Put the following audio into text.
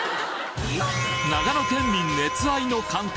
長野県民熱愛の寒天